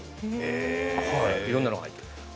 いろんなのが入ってるんです。